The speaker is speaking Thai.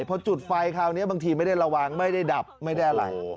พอจุดไฟคราวนี้บางทีไม่ได้ระวังไม่ได้ดับไม่ได้อะไร